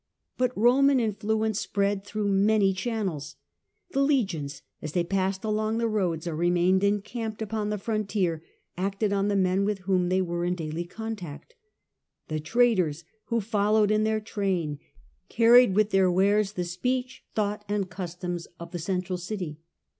But Roman influence spread through many channels. The legions, as they passed along the roads or remained encamped upon the frontier, acted on the men with whom they were in daily contact. I'he traders who followed in their train carried with their wares the speech, thought, and customs of the central city.